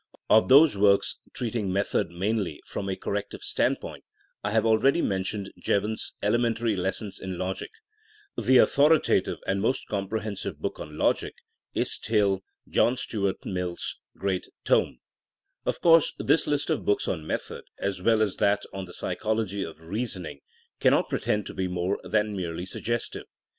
Of those works treating method mainly from a corrective stand point, I have already mentioned Jevon's Ele mentary Lessons in Logic. The authoritative and most comprehensive book on logic is still 250 THINKINO AS A SOIENOE John Stuart Mill's great tome. Of course this list of books on method, as well as that on the psychology of reasoning, cannot pretend to be more than merely suggestive.